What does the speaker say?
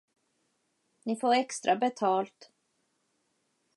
Ni får extra betalt.